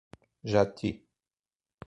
Jati